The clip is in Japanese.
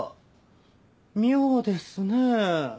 妙ですねえ。